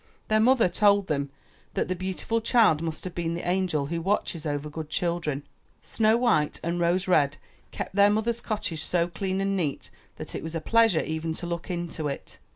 Their mother told them that the beautiful child must have been the angel who watches over good children. Snow white and Rose red kept their mother's cottage 36 UP ONE PAIR OF STAIRS SO clean and neat that it was a pleasure even to look into it.